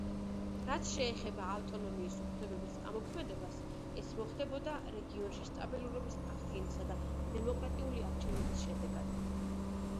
რაც შეეხება ავტონომიის უფლებების ამოქმედებას ეს მოხდებოდა რეგიონში სტაბილურობის აღდგენისა და დემოკრატიული არჩევნების შედეგად.